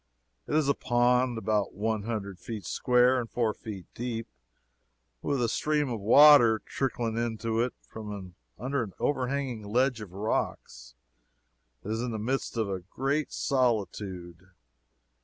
It is a pond about one hundred feet square and four feet deep, with a stream of water trickling into it from under an overhanging ledge of rocks. It is in the midst of a great solitude.